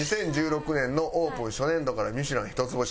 ２０１６年のオープン初年度から『ミシュラン』一つ星。